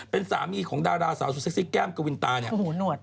เป็นสามีของดาราสาวสุดเซ็กซี่แก้มกวินตาเนี่ย